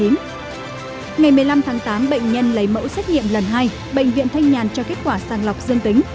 ngày một mươi năm tháng tám bệnh nhân lấy mẫu xét nghiệm lần hai bệnh viện thanh nhàn cho kết quả sàng lọc dương tính